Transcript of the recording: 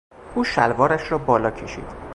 او شلوارش را بالا کشید.